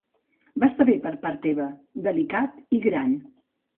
Va estar bé per part teva, delicat i gran.